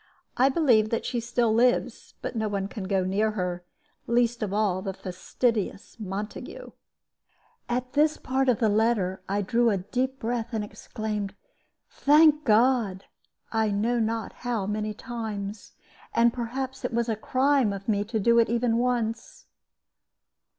I believe that she still lives, but no one can go near her; least of all, the fastidious Montague." At this part of the letter I drew a deep breath, and exclaimed, "Thank God!" I know not how many times; and perhaps it was a crime of me to do it even once.